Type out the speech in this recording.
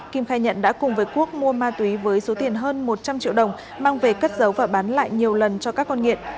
kim khai nhận đã cùng với quốc mua ma túy với số tiền hơn một trăm linh triệu đồng mang về cất giấu và bán lại nhiều lần cho các con nghiện